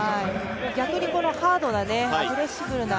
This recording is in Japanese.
逆にこのハードなアグレッシブな